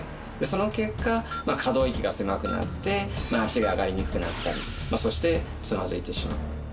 その結果可動域が狭くなって脚が上がりにくくなったりそしてつまずいてしまう。